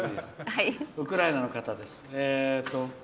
ウクライナの方です。